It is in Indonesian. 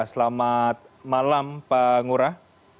selamat malam pak ngurah